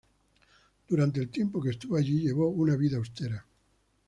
Durante el tiempo que estuvo allí, llevó una vida austera.